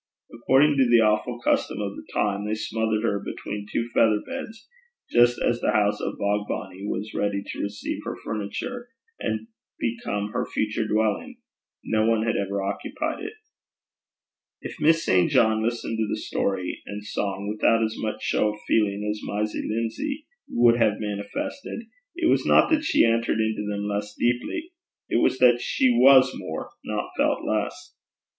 According to the awful custom of the time they smothered her between two feather beds, just as the house of Bogbonnie was ready to receive her furniture, and become her future dwelling. No one had ever occupied it. If Miss St. John listened to story and song without as much show of feeling as Mysie Lindsay would have manifested, it was not that she entered into them less deeply. It was that she was more, not felt less.